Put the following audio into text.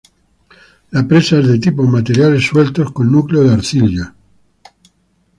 La presa es de tipo materiales sueltos, con núcleo de arcilla.